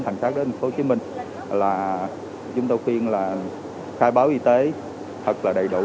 đến thành phố hồ chí minh là chúng tôi khuyên là khai báo y tế thật là đầy đủ